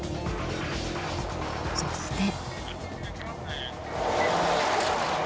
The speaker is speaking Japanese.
そして。